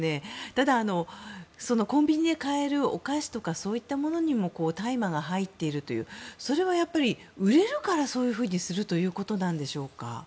ただ、コンビニで買えるお菓子とかそういったものにも大麻が入っているというそれはやっぱり売れるからそういうふうにするということなんでしょうか？